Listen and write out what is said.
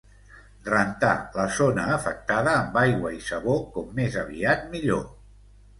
Rentar la zona afectada amb aigua i sabó com més aviat millor.